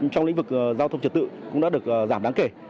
trong lĩnh vực giao thông trật tự cũng đã được giảm đáng kể